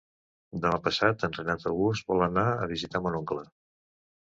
Demà passat en Renat August vol anar a visitar mon oncle.